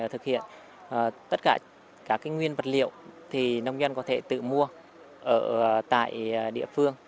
thực hiện tất cả các nguyên vật liệu thì nông dân có thể tự mua ở tại địa phương